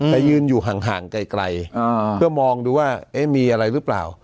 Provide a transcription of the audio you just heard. แต่ยืนอยู่ห่างไกลเพื่อมองดูว่ามีอะไรหรือเปล่า